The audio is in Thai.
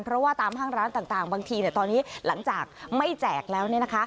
เพราะว่าตามห้างร้านต่างบางทีเนี่ยตอนนี้หลังจากไม่แจกแล้วเนี่ยนะคะ